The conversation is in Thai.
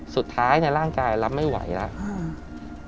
สุดท้ายในร่างกายรับไม่ไหวแล้ว